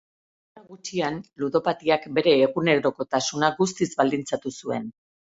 Denbora gutxian ludopatiak bere egunerokotasuna guztiz baldintzatu zuen.